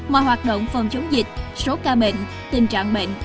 mà hoạt động phòng chống dịch số ca bệnh tình trạng bệnh